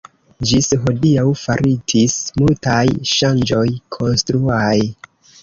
Ĝis hodiaŭ faritis multaj ŝanĝoj konstruaj.